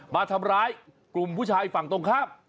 มาทำร้ายกลุ่มผู้ชายฝั่งตรงข้าม